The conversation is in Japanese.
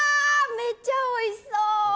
めちゃおいしそう！